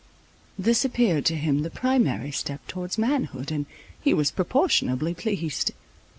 This appeared to him the primary step towards manhood, and he was proportionably pleased.